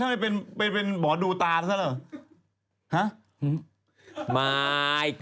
ท่านดูให้เด็ก